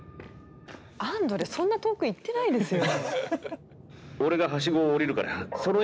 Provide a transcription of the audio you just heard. アンドレそんな遠く行ってないですよ。